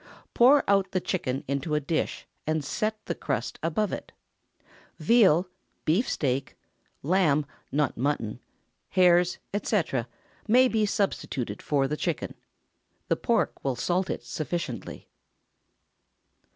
Pour out the chicken into a dish, and set the crust above it. Veal, beef steak, lamb (not mutton), hares, &c., may be substituted for the chicken. The pork will salt it sufficiently.